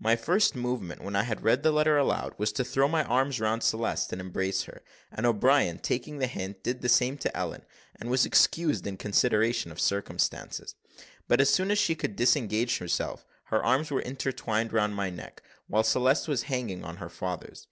My first movement, when I had read the letter aloud, was to throw my arms round Celeste and embrace her and O'Brien, taking the hint, did the same to Ellen, and was excused in consideration of circumstances; but, as soon as she could disengage herself her arms were entwined round my neck, while Celeste was hanging on her father's.